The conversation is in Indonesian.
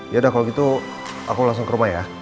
yaudah kalau gitu aku langsung ke rumah ya